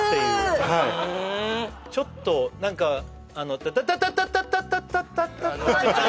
ちょっと何か「タタタタタタタ」分かる！